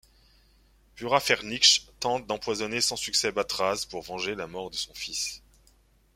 Buræfærnyg tente d'empoisonner sans succès Batraz, pour venger la mort de son fils.